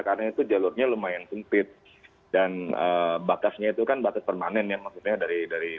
karena itu jalurnya lumayan sumpit dan batasnya itu kan batas permanen ya maksudnya dari ton gitu